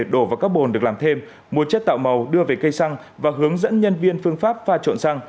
đổ vào các bồn được làm thêm mua chất tạo màu đưa về cây xăng và hướng dẫn nhân viên phương pháp pha trộn xăng